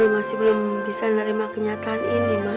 lo masih belum bisa nerima kenyataan ini mbah